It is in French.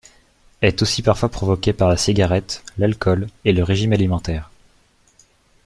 Est aussi parfois provoqué par la cigarette, l'alcool, et le régime alimentaire.